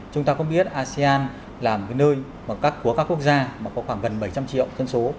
chúng ta có biết asean là một cái nơi của các quốc gia mà có khoảng gần bảy trăm linh triệu thân số